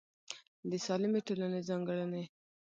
د سالمې ټولنې ځانګړنې